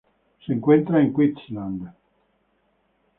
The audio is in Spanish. Se encuentra en Queensland.